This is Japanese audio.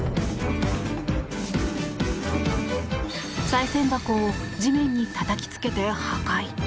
さい銭箱を地面にたたきつけて破壊。